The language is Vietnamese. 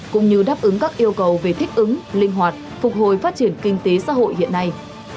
cũng như đáp ứng các yêu cầu về thích ứng linh hoạt phục hồi phát triển kinh tế xã hội hiện nay